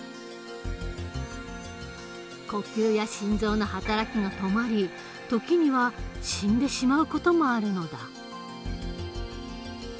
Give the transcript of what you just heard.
呼吸や心臓の働きが止まり時には死んでしまう事もあるのだ。